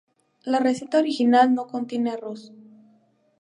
La receta original no contiene arroz.